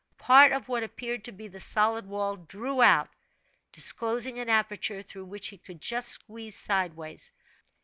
Part of what appeared to be the solid wall drew out, disclosing an aperture through which he could just squeeze sideways.